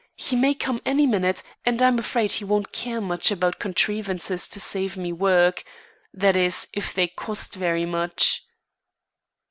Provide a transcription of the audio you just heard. He may come any minute and I'm afraid he won't care much about contrivances to save me work that is, if they cost very much."